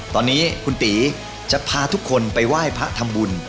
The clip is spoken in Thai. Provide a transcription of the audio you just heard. ตอนนี้คุณตีจะพาทุกคนไปไหว้พระทำบุญ